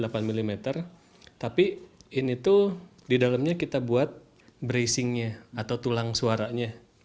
walaupun bodinya tipis delapan mm tapi di dalamnya kita buat bracing nya atau tulang suaranya